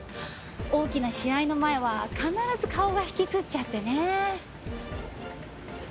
大きな試合の前は必ず顔が引きつっちゃってねえ。